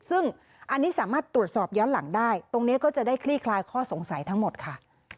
ซึ่งอันนี้สามารถตรวจสอบย้อนหลังได้ตรงนี้ก็จะได้คลี่คลายข้อสงสัยทั้งหมดค่ะ